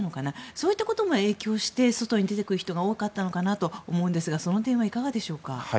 そういったことも影響して外に出ていく人が多かったのかなと思うんですがその点はいかがでしょうか。